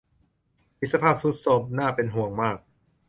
มีสภาพทรุดโทรมน่าเป็นห่วงมาก